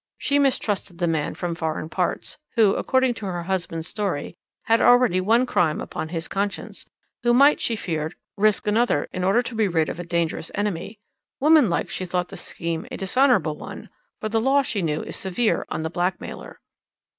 She mistrusted the man from foreign parts who, according to her husband's story, had already one crime upon his conscience who might, she feared, risk another, in order to be rid of a dangerous enemy. Woman like, she thought the scheme a dishonourable one, for the law, she knew, is severe on the blackmailer.